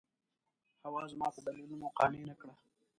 حوا زما په دلیلونو قانع نه کړه.